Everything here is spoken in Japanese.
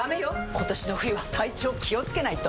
今年の冬は体調気をつけないと！